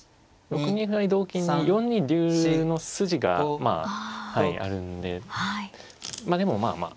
６二歩成同金に４二竜の筋があるんでまあでもまあまあ。